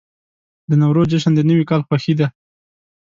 د نوروز جشن د نوي کال خوښي ده.